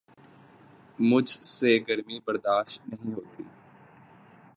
مجھ سے گرمی برداشت نہیں ہوتی